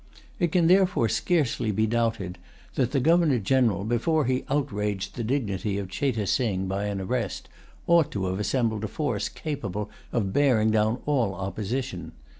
It can therefore scarcely be doubted that the Governor General before he outraged the dignity of Cheyte Sing by an arrest, ought to have assembled a force capable of bearing down all opposition.